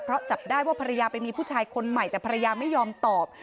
เพราะจับได้ว่าภรรยาไปมีผู้ชายคนใหม่แต่ภรรยาไม่ยอมตอบ